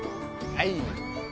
はい。